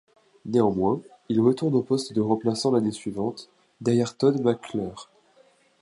Néanmoins, il retourne au poste de remplaçant l'année suivante, derrière Todd McClure.